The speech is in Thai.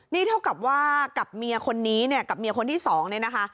นี่เท่ากับว่ากับเมียคนนี้กับเมียคนที่๒นี่นะคะ